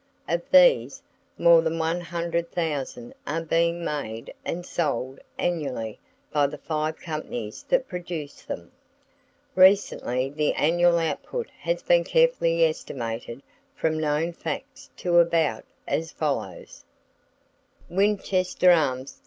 Of these, more than one hundred thousand are being made and sold annually by the five companies that produce them. Recently the annual output has been carefully estimated from known facts to be about as follows: Winchester Arms Co.